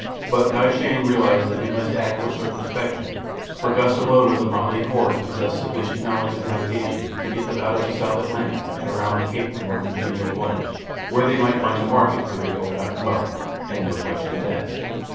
But Kai Shang realized that he must act with circumspection, for Gust alone of the motley horde possessed sufficient knowledge of navigation to get them out of the South Atlantic and around the cape into more congenial waters where they might find a market for their ill gotten wealth, and no questions asked.